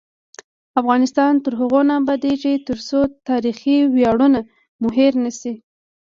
افغانستان تر هغو نه ابادیږي، ترڅو تاریخي ویاړونه مو هیر نشي.